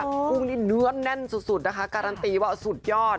กุ้งนี่เนื้อแน่นสุดนะคะการันตีว่าสุดยอด